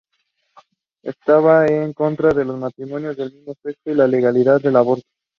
Estaba en contra de los matrimonios del mismo sexo y la legalidad del aborto.